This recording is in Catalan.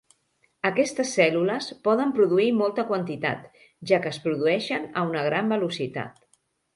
Aquestes cèl·lules poden produir molta quantitat, ja que es produeixen a una gran velocitat.